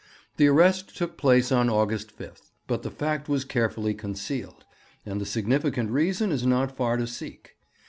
The arrest took place on August 5, but the fact was carefully concealed and the significant reason is not far to seek.